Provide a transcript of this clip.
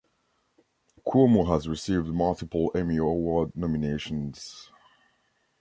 Cuomo has received multiple Emmy Award nominations.